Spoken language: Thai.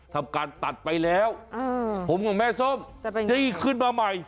ถ้าการตัดไปแล้วอืมผมของแม่ส้มจะเป็นยิ่งขึ้นมาใหม่